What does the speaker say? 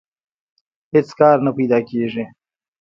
هېڅ کار نه پیدا کېږي